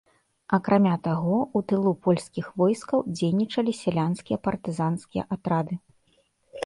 Акрамя таго, у тылу польскі войскаў дзейнічалі сялянскія партызанскія атрады.